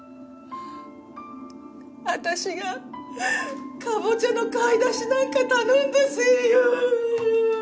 私がカボチャの買い出しなんか頼んだせいよ。